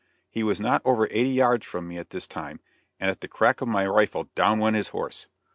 He was not over eighty yards from me at this time, and at the crack of my rifle down went his horse.